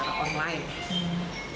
maupun pemerintah provinsi